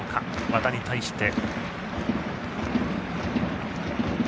和田に対して。